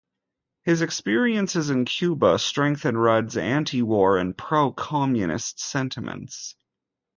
His experiences in Cuba strengthened Rudd's anti-war and pro-Communist sentiments.